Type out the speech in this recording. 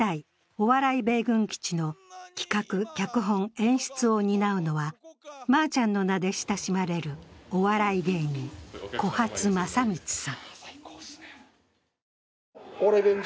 「お笑い米軍基地」の企画・脚本・演出を担うのはまーちゃんの名で親しまれるお笑い芸人・小波津正光さん。